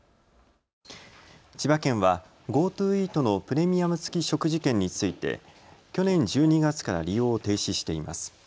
千葉県はＧｏＴｏイートのプレミアム付き食事券について去年１２月から利用を停止しています。